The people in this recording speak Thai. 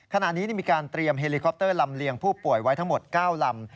ขณะนี้มีการเตรียมเฮลิคอปเตอร์ลำเลียงผู้ป่วยไว้ทั้งหมด๙ลำ